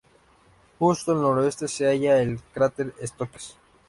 Justo al noroeste se halla el cráter Stokes.